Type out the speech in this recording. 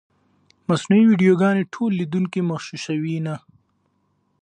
مصنوعي ویډیوګانې ټول لیدونکي مغشوشوي نه.